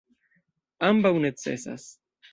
Ambaŭ necesas.